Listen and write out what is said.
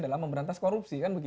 dalam memberantas korupsi